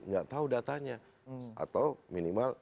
nggak tahu datanya atau minimal